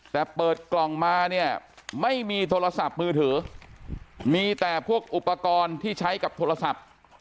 แต่เปิดกล่องมาเนี่ยไม่มีโทรศัพท์มือถือมีแต่พวกอุปกรณ์ที่ใช้กับโทรศัพท์